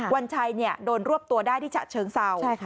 วันชัยโดนรวบตัวได้ที่ฉะเชิงเศร้า